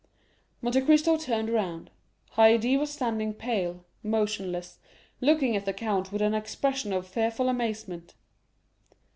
Monte Cristo turned around; Haydée was standing pale, motionless, looking at the count with an expression of fearful amazement.